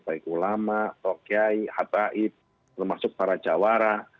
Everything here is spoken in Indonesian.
baik ulama tokyai hataib termasuk para jawara